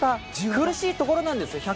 苦しいところなんですよ。